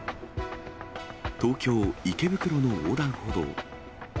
東京・池袋の横断歩道。